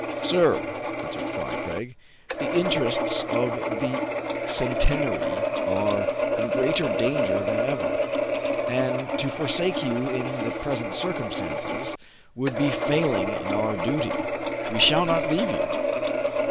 " Sir," answered Fry Craig, " the interests of the Centenary are in greater danger than ever ; and to forsake you in the present circumstances would be failing in our duty. We shall not leave you